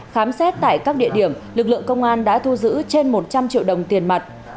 khám xét tại các địa điểm lực lượng công an đã thu giữ trên một trăm linh triệu đồng tiền mặt